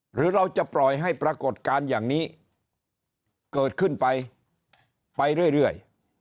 หรือเราจะปล่อยให้ปรากฏการณ์อย่างนี้เกิดขึ้นไปไปเรื่อย